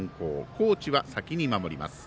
高知は先に守ります。